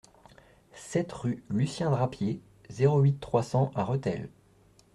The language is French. sept rue Lucien Drapier, zéro huit, trois cents à Rethel